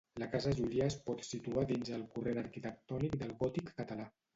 La casa Julià es pot situar dins el corrent arquitectònic del gòtic català.